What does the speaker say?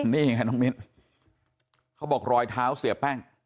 นี่ไงน้องมิ้นเขาบอกรอยเท้าเสียแป้ง